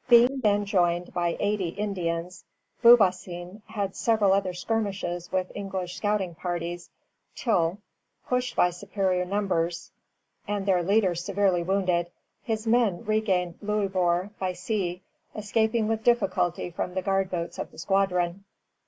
] Being then joined by eighty Indians, Beaubassin had several other skirmishes with English scouting parties, till, pushed by superior numbers, and their leader severely wounded, his men regained Louisbourg by sea, escaping with difficulty from the guard boats of the squadron.